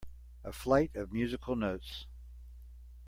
A flight of musical notes.